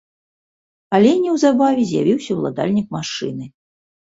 Але неўзабаве з'явіўся ўладальнік машыны.